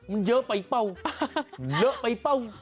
มันเยอะไปเปล่าเหลอะไปเปล่า